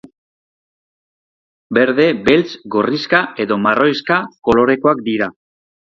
Berde, beltz, gorrixka edo marroixka kolorekoak dira.